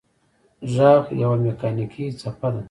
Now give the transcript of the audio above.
غږ یوه مکانیکي څپه ده.